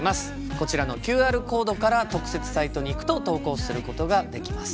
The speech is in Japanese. こちらのＱＲコードから特設サイトに行くと投稿することができます。